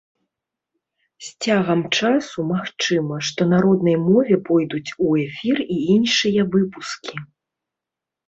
З цягам часу, магчыма, што на роднай мове пойдуць у эфір і іншыя выпускі.